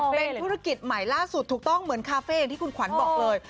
เป็นธุรกิจใหม่ล่าสุดถูกต้องเหมือนคาเฟ่อย่างที่คุณขวัญบอกเลย